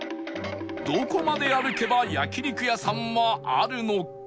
どこまで歩けば焼肉屋さんはあるのか？